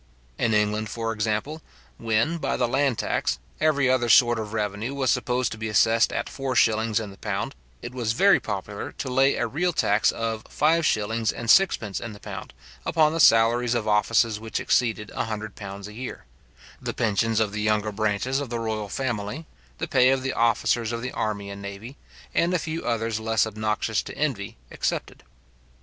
In England, for example, when, by the land tax, every other sort of revenue was supposed to be assessed at four shillings in the pound, it was very popular to lay a real tax of five shillings and sixpence in the pound upon the salaries of offices which exceeded a hundred pounds a year; the pensions of the younger branches of the royal family, the pay of the officers of the army and navy, and a few others less obnoxious to envy, excepted.